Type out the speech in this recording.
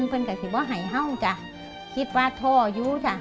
เพลินกับสิ่งว่าให้เหาะจ้ะคิดว่าทออยู่จ้ะ